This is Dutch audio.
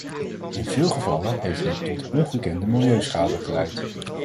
In veel gevallen heeft dit tot ongekende milieuschade geleid.